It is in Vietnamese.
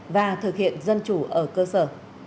và thực hiện dân chủ ở cơ sở